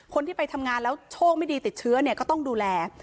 คนที่ไปทำงานแล้วโชคไม่ดีติดเชื้อเนี่ยก็ต้องดูแล